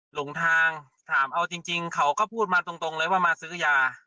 หลงทางถามเอาจริงเขาก็พูดมาตรงเลยว่ามาซื้อยา